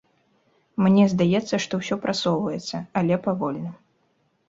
Мне здаецца, што ўсё прасоўваецца, але павольна.